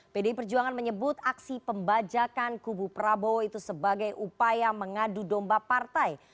pdi perjuangan menyebut aksi pembajakan kubu prabowo itu sebagai upaya mengadu domba partai